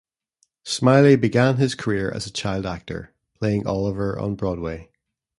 Smiley began his career as a child actor, playing Oliver on Broadway.